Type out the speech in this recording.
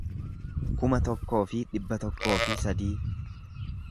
kuma tokkoo fi dhibba tokkoo fi sadii